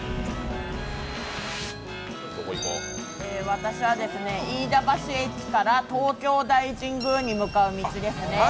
私は、飯田橋駅から東京大神宮に向かう道ですね。